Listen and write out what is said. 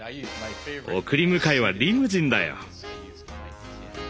送り迎えはリムジンだよ。